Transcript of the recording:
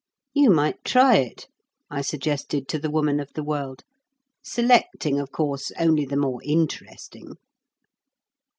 "You might try it," I suggested to the Woman of the World, "selecting, of course, only the more interesting."